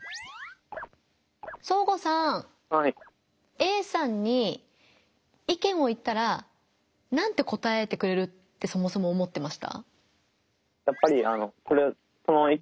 Ａさんに意見を言ったら何て答えてくれるってそもそも思ってました？